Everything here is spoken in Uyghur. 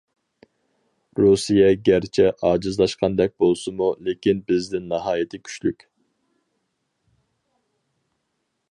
رۇسىيە گەرچە ئاجىزلاشقاندەك بولسىمۇ، لېكىن بىزدىن ناھايىتى كۈچلۈك.